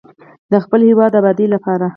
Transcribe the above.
د خپل هیواد د ابادۍ لپاره.